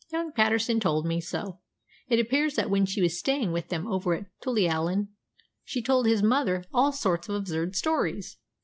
"Young Paterson told me so. It appears that when she was staying with them over at Tullyallan she told his mother all sorts of absurd stories.